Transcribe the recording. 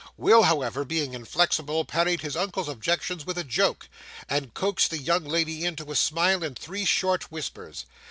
Will, however, being inflexible, parried his uncle's objections with a joke, and coaxed the young lady into a smile in three short whispers.